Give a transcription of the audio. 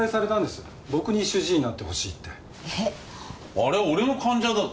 あれは俺の患者だぞ。